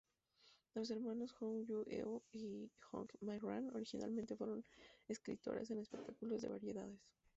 Las hermanas Hong Jung-eun y Hong Mi-ran originalmente fueron escritoras en espectáculos de variedades.